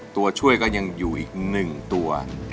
ตัวช่วยก็ยังอยู่อีก๑ตัว